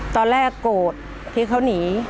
ตอนแรกโกรธที่เขาหนี